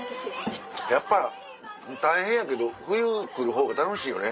やっぱ大変やけど冬来る方が楽しいよね。